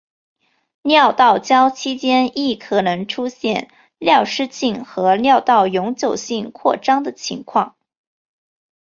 尿道交期间亦可能出现尿失禁和尿道永久性扩张的情况。